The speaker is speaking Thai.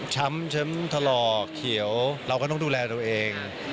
ช้ำถลอกเขียวเราก็ต้องดูแลตัวเอง